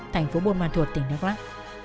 thành phố bôn hoa thuột tỉnh đắk lắk